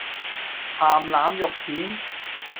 咸腩肉片